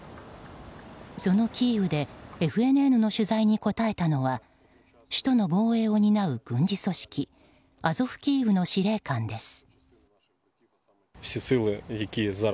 そのキーウでＦＮＮの取材に答えたのは首都の防衛を担う軍事組織アゾフ・キーウの司令官です。